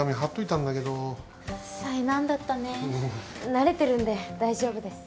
慣れてるんで大丈夫です。